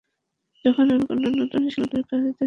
যখন আমি কোনো নতুন শিল্পীর কাজ দেখি, তখন আমি অনেক সময় নিই।